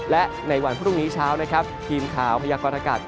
และในวันพรุ่งนี้เช้านะครับทีมข่าวพยากรอากาศ